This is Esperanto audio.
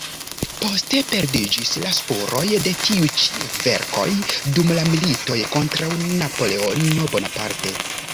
Poste perdiĝis la spuroj de tiu ĉi verkoj dum la militoj kontraŭ Napoleono Bonaparte.